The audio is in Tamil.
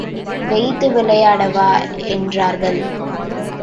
வைத்து விளையாடவா என்றார்கள்.